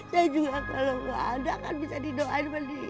dia juga kalo ga ada kan bisa di doain mendingan emak